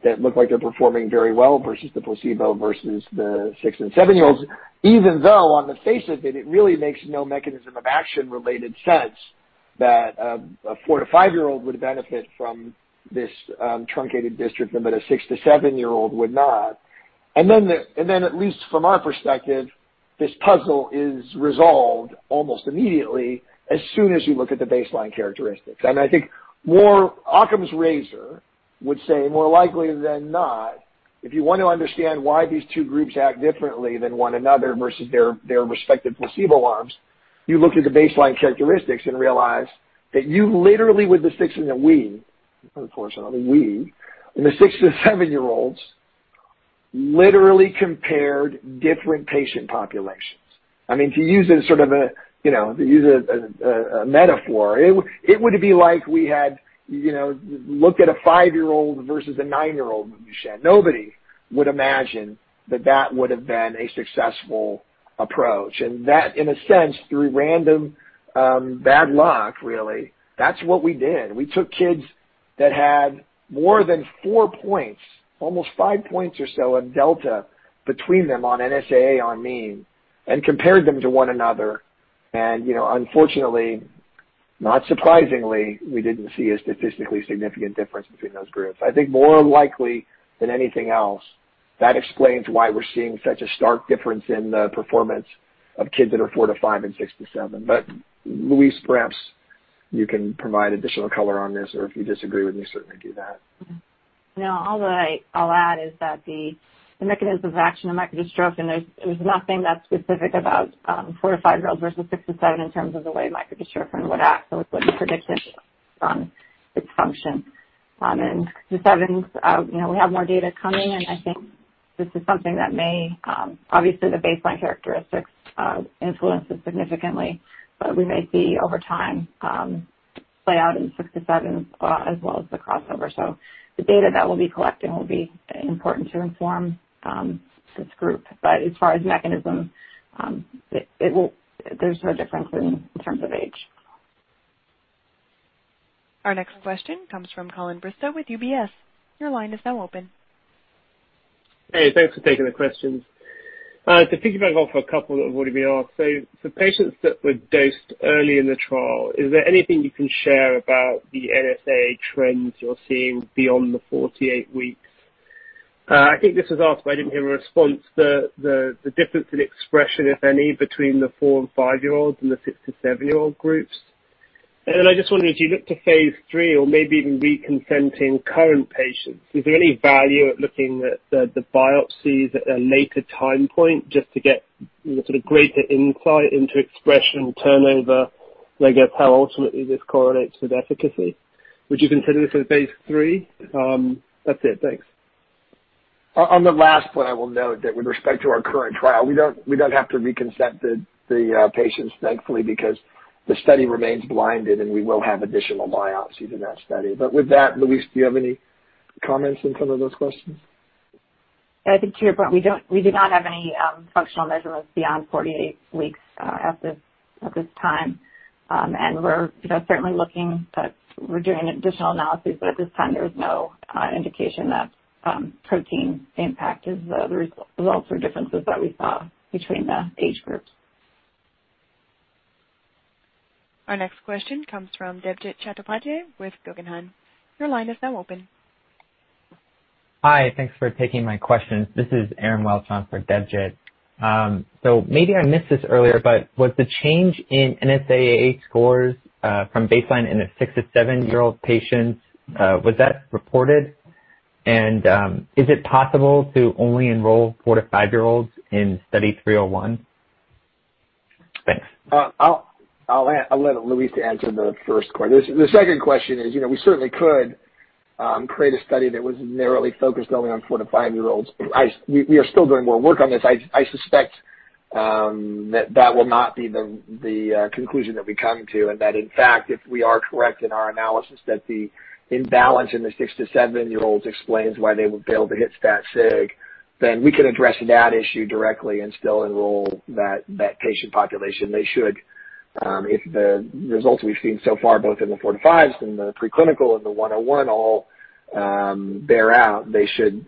that look like they're performing very well versus the placebo versus the six and seven-year-olds, even though on the face of it really makes no mechanism of action-related sense that a four to five-year-old would benefit from this truncated dystrophin that a six to seven-year-old would not. At least from our perspective, this puzzle is resolved almost immediately as soon as you look at the baseline characteristics. I think Occam's razor would say, more likely than not, if you want to understand why these two groups act differently than one another versus their respective placebo arms, you look at the baseline characteristics and realize that you literally with the six and the six to seven-year-olds literally compared different patient populations. To use a metaphor, it would be like we had looked at a five-year-old versus a nine-year-old with Duchenne. Nobody would imagine that that would have been a successful approach. That, in a sense, through random bad luck, really, that's what we did. We took kids that had more than four points, almost five points or so in delta between them on NSAA, on mean, and compared them to one another. Unfortunately, not surprisingly, we didn't see a statistically significant difference between those groups. I think more likely than anything else, that explains why we're seeing such a stark difference in the performance of kids that are four to five and six to seven. Louise, perhaps you can provide additional color on this, or if you disagree with me, certainly do that. No, all I'll add is that the mechanism of action of microdystrophin, there's nothing that's specific about four to five-year-olds versus six to seven in terms of the way microdystrophin would act. It's what you predicted on its function. The sevens, we have more data coming, and I think this is something that obviously, the baseline characteristics influence it significantly, but we may see over time play out in six to sevens well as the crossover. The data that we'll be collecting will be important to inform this group. As far as mechanisms, there's no difference in terms of age. Our next question comes from Colin Bristow with UBS. Your line is now open. Hey, thanks for taking the questions. To piggyback off a couple that have already been asked, for patients that were dosed early in the trial, is there anything you can share about the NSAA trends you're seeing beyond the 48 weeks? I think this was asked, I didn't hear a response. The difference in expression, if any, between the four and five-year-olds and the six to seven-year-old groups. I just wondered, as you look to phase III or maybe even reconsenting current patients, is there any value at looking at the biopsies at a later time point just to get sort of greater insight into expression turnover, like at how ultimately this correlates with efficacy? Would you consider this in phase III? That's it. Thanks. On the last point, I will note that with respect to our current trial, we don't have to reconsent the patients, thankfully, because the study remains blinded, and we will have additional biopsies in that study. With that, Louise, do you have any comments on some of those questions? I think to your point, we do not have any functional measurements beyond 48 weeks at this time. We're certainly looking, but we're doing additional analysis. At this time, there's no indication that protein impact is the results or differences that we saw between the age groups. Our next question comes from Debjit Chattopadhyay with Guggenheim. Your line is now open. Hi. Thanks for taking my questions. This is Aaron Welch on for Debjit. Maybe I missed this earlier, was the change in NSAA scores from baseline in the six to seven-year-old patients, was that reported? Is it possible to only enroll four to five-year-olds in Study 301? Thanks. I'll let Louise answer the first question. The second question is, we certainly could create a study that was narrowly focused only on four to five-year-olds. We are still doing more work on this. I suspect that will not be the conclusion that we come to, and that, in fact, if we are correct in our analysis that the imbalance in the six to seven-year-olds explains why they were able to hit stat sig, then we can address that issue directly and still enroll that patient population. They should. If the results we've seen so far, both in the four to fives and the preclinical and the 101 all bear out, they should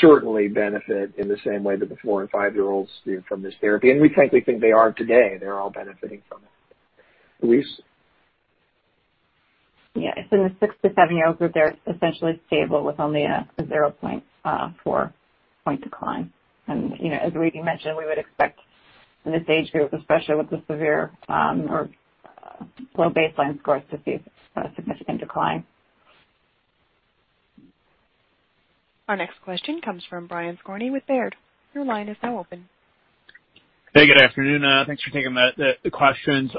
certainly benefit in the same way that the four and five-year-olds do from this therapy. We frankly think they are today. They're all benefiting from it. Louise? Yeah. In the six to seven-year-old group, they're essentially stable with only a 0.4-point decline. As we mentioned, we would expect in this age group, especially with the severe or low baseline scores to see a significant decline. Our next question comes from Brian Skorney with Baird. Hey, good afternoon. Thanks for taking the questions.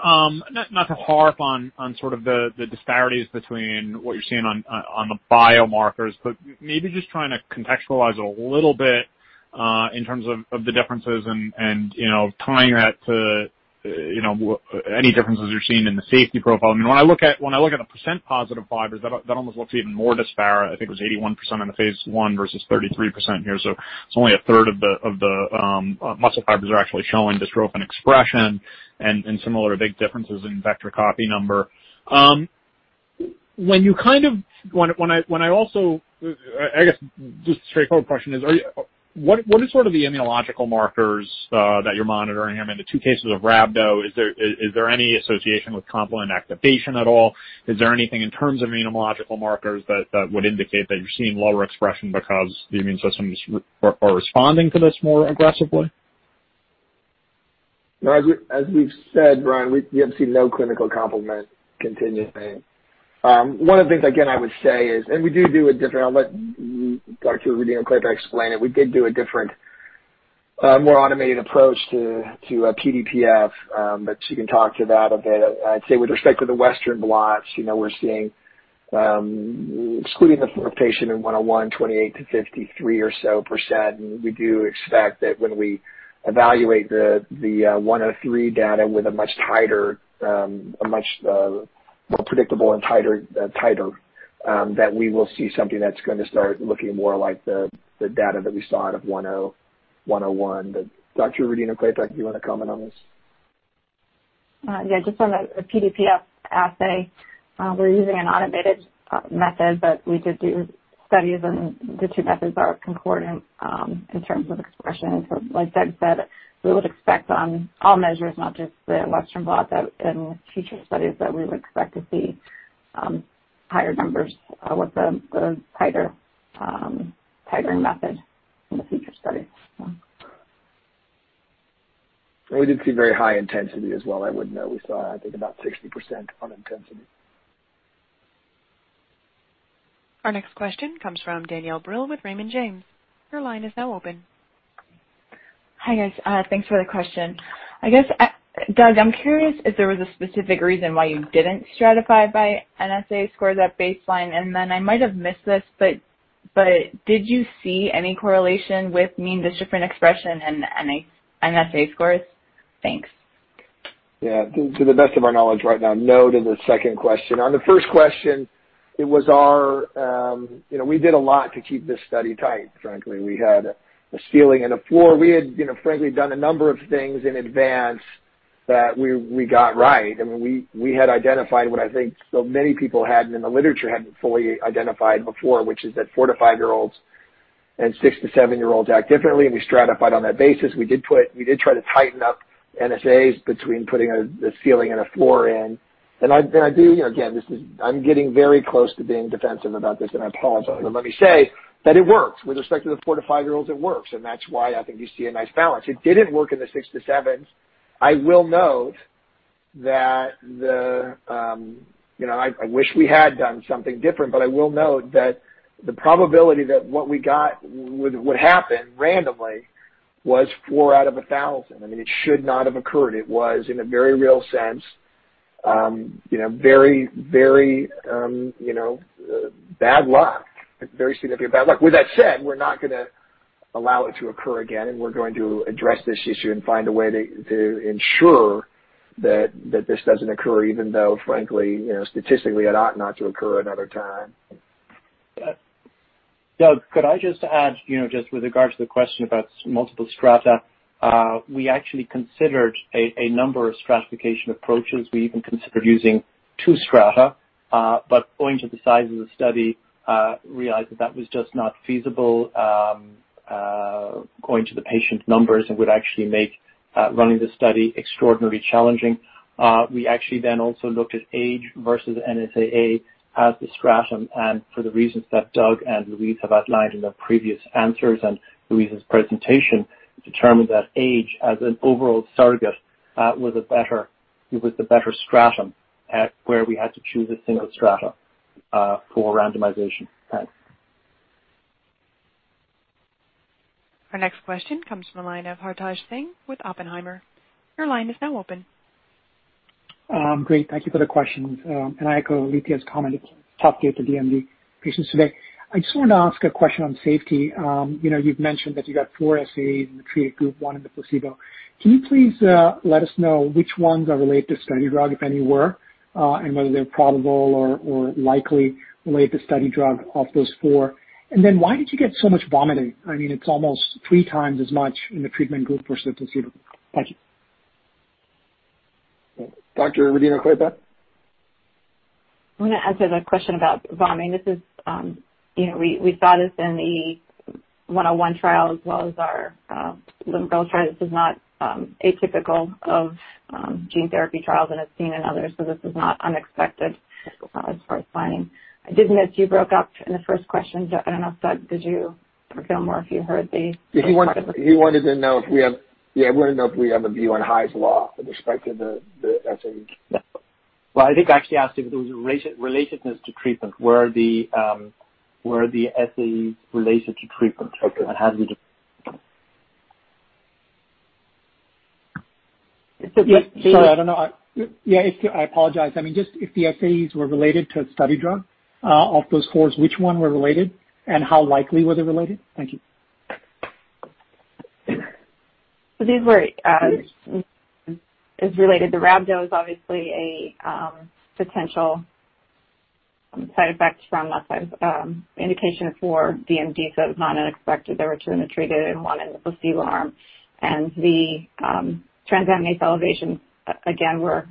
Maybe just trying to contextualize a little bit, in terms of the differences and tying that to any differences you're seeing in the safety profile. When I look at the percent positive fibers, that almost looks even more disparate. I think it was 81% in the phase I versus 33% here. It's only a third of the muscle fibers are actually showing dystrophin expression and similar big differences in vector copy number. Just a straightforward question is, what are sort of the immunological markers that you're monitoring? I mean, the two cases of rhabdo, is there any association with complement activation at all? Is there anything in terms of immunological markers that would indicate that you're seeing lower expression because the immune systems are responding to this more aggressively? No, as we've said, Brian, we have seen no clinical complement continuing. One of the things, again, I would say is, we do a different, I'll let Dr. Rodino-Klapac explain it. We did do a different, more automated approach to PDPF, she can talk to that a bit. I'd say with respect to the Western blots, we're seeing, excluding the patient in 101, 28%-53% or so. We do expect that when we evaluate the 103 data with a much more predictable and tighter titer, that we will see something that's going to start looking more like the data that we saw out of 101. Dr. Rodino-Klapac, do you want to comment on this? Just on the PDPF assay, we're using an automated method, but we did do studies and the two methods are concordant in terms of expression. Like Doug said, we would expect on all measures, not just the Western blot, that in future studies that we would expect to see higher numbers with the tighter titering method in the future studies. We did see very high intensity as well. I would note we saw, I think about 60% on intensity. Our next question comes from Danielle Brill with Raymond James. Your line is now open. Hi, guys. Thanks for the question. I guess, Doug, I'm curious if there was a specific reason why you didn't stratify by NSAA scores at baseline, and then I might have missed this, but did you see any correlation with mean dystrophin expression and NSAA scores? Thanks. Yeah. To the best of our knowledge right now, no to the second question. On the first question, we did a lot to keep this study tight, frankly. We had a ceiling and a floor. We had frankly done a number of things in advance that we got right. I mean, we had identified what I think so many people hadn't in the literature, hadn't fully identified before, which is that four to five-year-olds and six to seven-year-olds act differently, and we stratified on that basis. We did try to tighten up NSAAs between putting a ceiling and a floor in. I do, again, I'm getting very close to being defensive about this, and I apologize. Let me say that it works. With respect to the four to five-year-olds, it works, and that's why I think you see a nice balance. It didn't work in the six to seven. I wish we had done something different. I will note that the probability that what we got would happen randomly was 4/1,000. I mean, it should not have occurred. It was, in a very real sense, very bad luck. Very significant bad luck. With that said, we're not going to allow it to occur again, and we're going to address this issue and find a way to ensure that this doesn't occur, even though frankly, statistically it ought not to occur another time. Doug, could I just add, just with regards to the question about multiple strata, we actually considered a number of stratification approaches. We even considered using two strata. Owing to the size of the study, realized that that was just not feasible, going to the patient numbers, and would actually make running the study extraordinarily challenging. We actually then also looked at age versus NSAA as the stratum, and for the reasons that Doug and Louise have outlined in their previous answers and Louise's presentation, determined that age as an overall surrogate, it was the better stratum at where we had to choose a single stratum for randomization. Our next question comes from the line of Hartaj Singh with Oppenheimer. Your line is now open. Great. Thank you for the questions. I echo Alethia's comment, it's tough day at the DMD patients today. I just wanted to ask a question on safety. You've mentioned that you got four SAEs in the treatment group, one in the placebo. Can you please let us know which ones are related to study drug, if any were, and whether they're probable or likely related to study drug of those four? Why did you get so much vomiting? I mean, it's almost three times as much in the treatment group versus the placebo. Thank you. Dr. Rodino-Klapac? I'm going to answer the question about vomiting. We saw this in 101 as well as our limb-girdle trial. This is not atypical of gene therapy trials. I've seen in others. This is not unexpected as far as finding. I did miss you broke up in the first question. I don't know if, Doug, did you hear more if you heard the first part of the question? I wonder if we have a view on Hy's law with respect to the SAE. Well, I think I actually asked if there was a relatedness to treatment. Were the SAEs related to treatment? Okay. Sorry. I don't know. Yeah, I apologize. Just if the SAEs were related to a study drug, of those fours, which one were related, and how likely were they related? Thank you. These were as related. The rhabdo is obviously a potential side effect from muscle indication for DMD, so it was not unexpected. There were two in the treated and one in the placebo arm. The transaminase elevations, again, were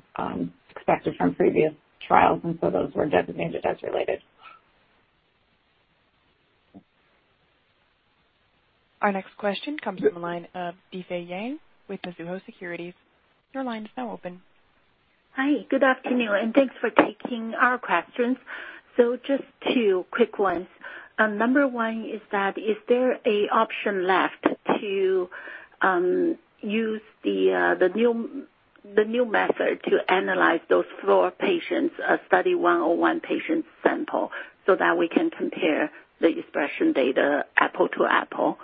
expected from previous trials, and so those were designated as related. Our next question comes from the line of Difei Yang with Mizuho Securities. Your line is now open. Hi, good afternoon, thanks for taking our questions. Just two quick ones. Number one is that is there an option left to use the new method to analyze those four patients, Study 101 patient sample, so that we can compare the expression data apple to apple?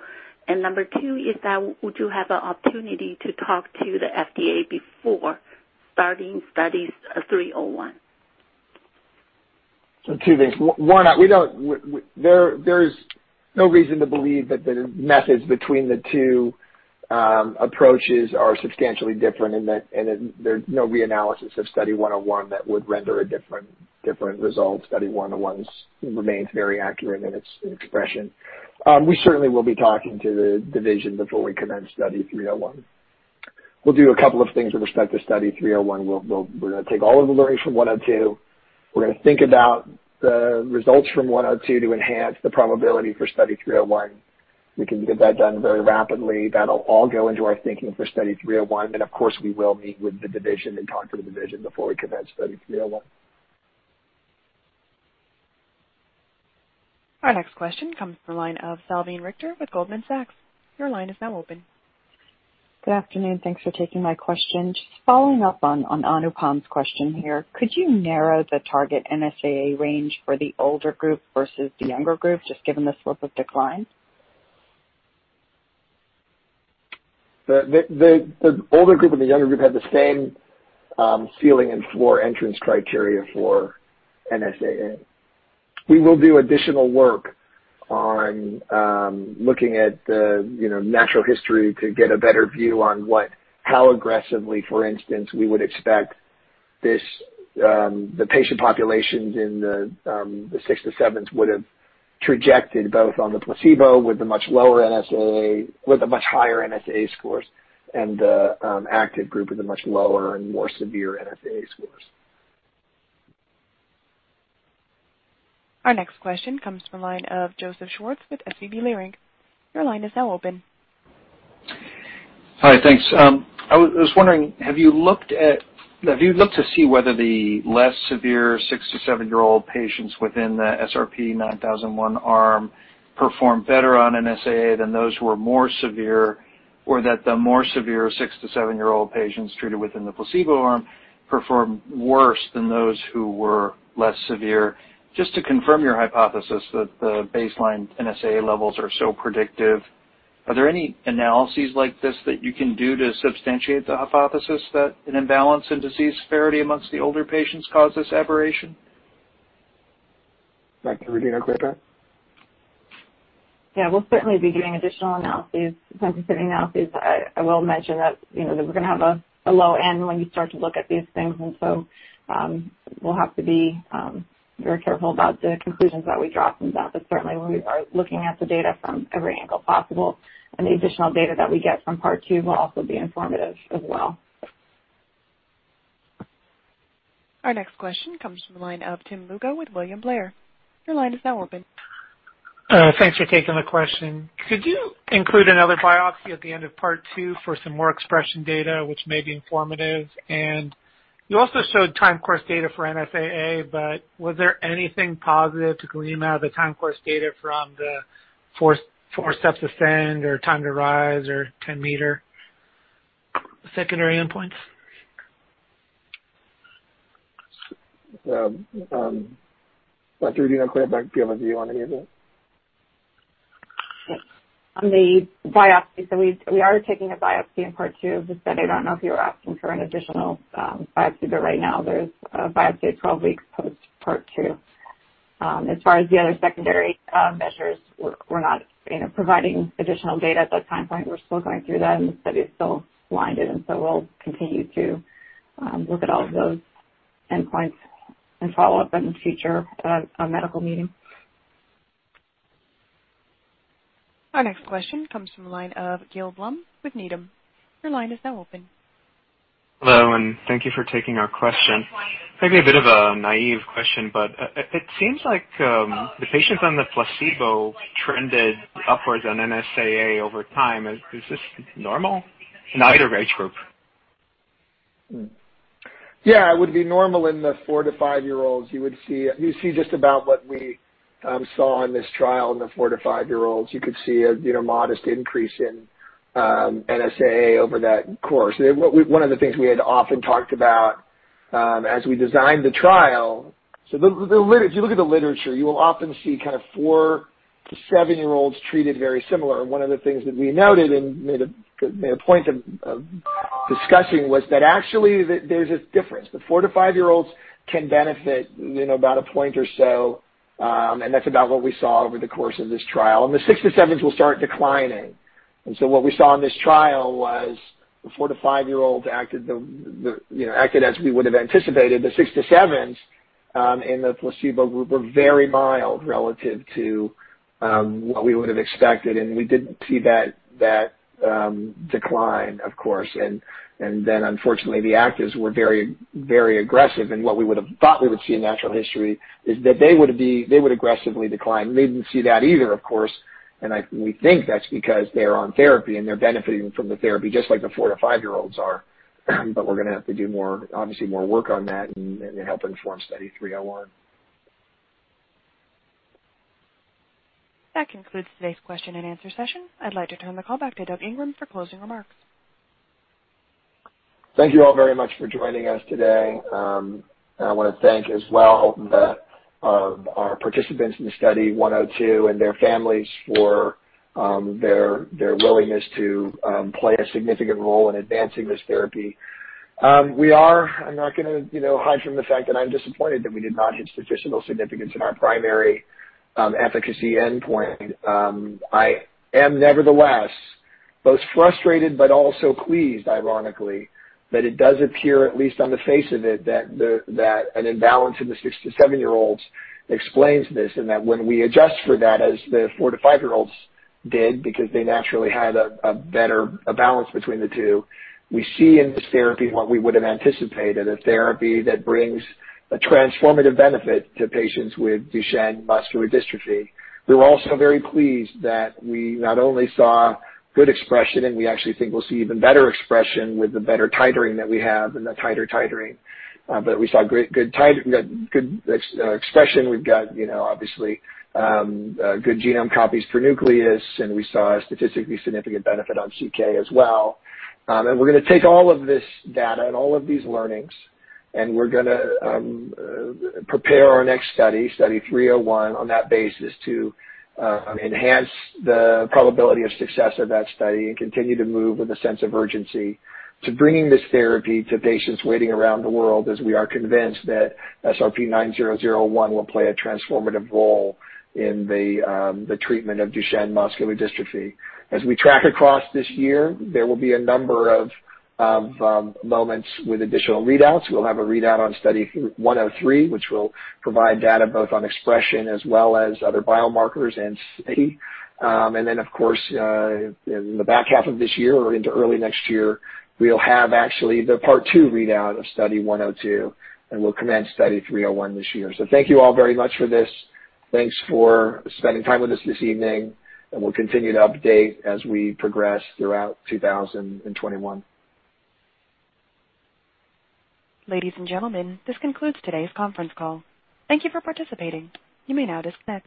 Number two is that would you have an opportunity to talk to the FDA before starting Studies 301? Two things. One, there's no reason to believe that the methods between the two approaches are substantially different and that there's no reanalysis of Study 101 that would render a different result. Study 101 remains very accurate in its expression. We certainly will be talking to the division before we commence Study 301. We'll do a couple of things with respect to Study 301. We're going to take all of the learning from 102. We're going to think about the results from 102 to enhance the probability for Study 301. We can get that done very rapidly. That'll all go into our thinking for Study 301. Of course, we will meet with the division and talk to the division before we commence Study 301. Our next question comes from the line of Salveen Richter with Goldman Sachs. Your line is now open. Good afternoon. Thanks for taking my question. Just following up on Anupam's question here. Could you narrow the target NSAA range for the older group versus the younger group, just given the slope of decline? The older group and the younger group had the same ceiling and floor entrance criteria for NSAA. We will do additional work on looking at the natural history to get a better view on how aggressively, for instance, we would expect the patient populations in the six to sevens would've trajected both on the placebo with the much higher NSAA scores and the active group with a much lower and more severe NSAA scores. Our next question comes from the line of Joseph Schwartz with SVB Leerink. Your line is now open. Hi, thanks. I was wondering, have you looked to see whether the less severe six to seven-year-old patients within the SRP-9001 arm performed better on NSAA than those who were more severe, or that the more severe six to seven-year-old patients treated within the placebo arm performed worse than those who were less severe, just to confirm your hypothesis that the baseline NSAA levels are so predictive? Are there any analyses like this that you can do to substantiate the hypothesis that an imbalance in disease severity amongst the older patients caused this aberration? Dr. Rodino-Klapac? Yeah, we'll certainly be doing additional sensitivity analyses. I will mention that we're going to have a low end when you start to look at these things. We'll have to be very careful about the conclusions that we draw from that. Certainly, we are looking at the data from every angle possible. The additional data that we get from Part 2 will also be informative as well. Our next question comes from the line of Tim Lugo with William Blair. Your line is now open. Thanks for taking the question. Could you include another biopsy at the end of Part 2 for some more expression data which may be informative? You also showed time course data for NSAA, but was there anything positive to glean out of the time course data from the four steps to stand or time to rise or 10-m secondary endpoints? Dr. Rodino-Klapac, do you have a view on any of that? On the biopsy, we are taking a biopsy in Part 2 of the study. I don't know if you were asking for an additional biopsy, right now there's a biopsy at 12 weeks post Part 2. As far as the other secondary measures, we're not providing additional data at that time point. We're still going through that, the study is still blinded, we'll continue to look at all of those endpoints and follow up in the future at a medical meeting. Our next question comes from the line of Gil Blum with Needham. Your line is now open. Hello. Thank you for taking our question. Maybe a bit of a naive question. It seems like the patients on the placebo trended upwards on NSAA over time. Is this normal in either age group? Yeah, it would be normal in the four to five-year-olds. You see just about what we saw in this trial in the four to five-year-olds. You could see a modest increase in NSAA over that course. One of the things we had often talked about as we designed the trial, so if you look at the literature, you will often see four to seven-year-olds treated very similar. One of the things that we noted and made a point of discussing was that actually, there's a difference. The four to five-year-olds can benefit about a point or so, and that's about what we saw over the course of this trial. The six to sevens will start declining. What we saw in this trial was the four to five-year-olds acted as we would have anticipated. The six to sevens in the placebo group were very mild relative to what we would have expected. We didn't see that decline, of course. Unfortunately, the actives were very aggressive. What we would have thought we would see in natural history is that they would aggressively decline. We didn't see that either, of course, and we think that's because they're on therapy, and they're benefiting from the therapy just like the four to five-year-olds are. We're going to have to do, obviously, more work on that and help inform Study 301. That concludes today's question and answer session. I'd like to turn the call back to Doug Ingram for closing remarks. Thank you all very much for joining us today. I want to thank as well our participants in Study 102 and their families for their willingness to play a significant role in advancing this therapy. I'm not going to hide from the fact that I'm disappointed that we did not hit statistical significance in our primary efficacy endpoint. I am nevertheless both frustrated but also pleased, ironically, that it does appear, at least on the face of it, that an imbalance in the six to seven-year-olds explains this, and that when we adjust for that as the four to five-year-olds did, because they naturally had a better balance between the two, we see in this therapy what we would have anticipated, a therapy that brings a transformative benefit to patients with Duchenne muscular dystrophy. We're also very pleased that we not only saw good expression, and we actually think we'll see even better expression with the better titering that we have and the tighter titering. We saw good expression. We've got obviously good genome copies per nucleus, and we saw a statistically significant benefit on CK as well. We're going to take all of this data and all of these learnings, and we're going to prepare our next study, Study 301, on that basis to enhance the probability of success of that study and continue to move with a sense of urgency to bringing this therapy to patients waiting around the world, as we are convinced that SRP-9001 will play a transformative role in the treatment of Duchenne muscular dystrophy. As we track across this year, there will be a number of moments with additional readouts. We'll have a readout on Study 103, which will provide data both on expression as well as other biomarkers and safety. Of course, in the back half of this year or into early next year, we'll have actually the part two readout of Study 102, and we'll commence Study 301 this year. Thank you all very much for this. Thanks for spending time with us this evening, and we'll continue to update as we progress throughout 2021. Ladies and gentlemen, this concludes today's conference call. Thank you for participating. You may now disconnect,